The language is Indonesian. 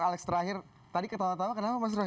bu alex terakhir tadi ketawa ketawa kenapa mas roy